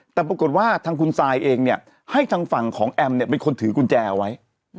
แต่ปรากฏว่าทางคุณซายเองเนี่ยให้ทางฝั่งของแอมเนี่ยเป็นคนถือกุญแจเอาไว้